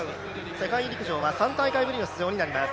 世界陸上は３大会ぶりの出場になります。